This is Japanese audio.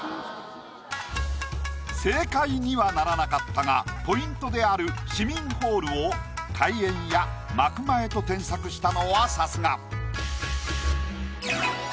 正解にはならなかったがポイントである「市民ホール」を「開演」や「幕前」と添削したのはさすが。